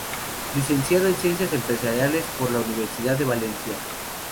Licenciado en Ciencias Empresariales por la Universidad de Valencia.